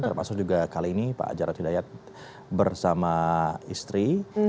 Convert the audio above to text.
termasuk juga kali ini pak jarod hidayat bersama istri